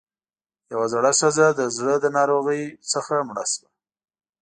يوه زړه ښځۀ د زړۀ له ناروغۍ مړه شوه